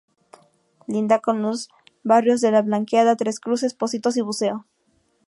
Linda con los barrios La Blanqueada, Tres Cruces, Pocitos y Buceo.